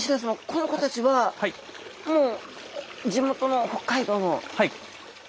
この子たちはもう地元の北海道の？